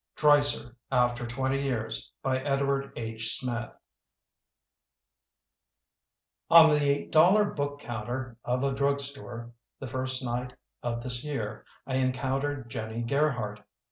DREISER AFTER TWENTY YEARS By Edward H Smith ON the dollar book counter of a drug store, the first night of this year, I encountered "Jennie Gerhardt".